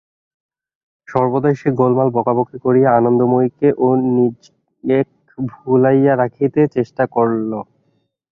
সর্বদাই সে গোলমাল বকাবকি করিয়া আনন্দময়ীকে ও নিজেক ভুলাইয়া রাখিতে চেষ্টা করিল।